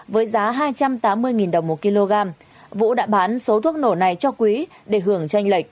với giá hai trăm tám mươi đồng một kg vũ đã bán số thuốc nổ này cho quý để hưởng tranh lệch